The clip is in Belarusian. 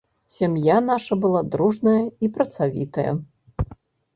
Сям'я наша была дружная і працавітая.